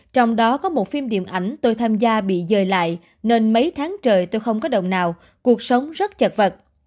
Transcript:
trong đó có một phim điện ảnh tôi tham gia bị dời lại nên mấy tháng trời tôi không có đồng nào cuộc sống rất chật vật